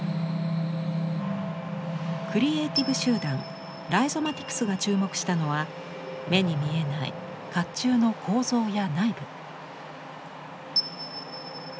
クリエイティブ集団ライゾマティクスが注目したのは目に見えない甲冑の構造や内部。